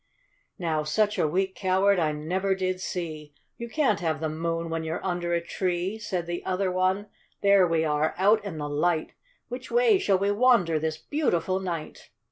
"FTow, such a weak coward I never did see ; You can t have the moon when you're under a tree," Said the other one: "There, we are out in the light; Which way shall we wander this beautiful night?"